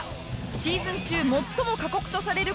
シーズン中最も過酷とされる